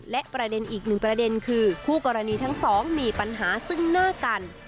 และประเด็นอีกหนึ่งประเด็นคือคู่กรณีทั้งสองมีปัญหาซึ่งหน้ากัน